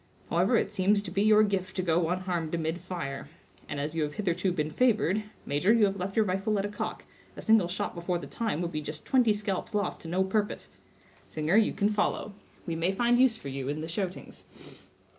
However, it seems to be your gift to go unharmed amid fire; and as you have hitherto been favored—major, you have left your rifle at a cock; a single shot before the time would be just twenty scalps lost to no purpose—singer, you can follow; we may find use for you in the shoutings."